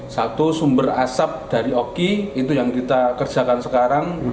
satu sumber asap dari oki itu yang kita kerjakan sekarang